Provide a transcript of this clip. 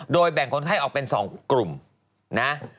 โดยแบ่งคนไข้ออกเป็น๒กลุ่มนะ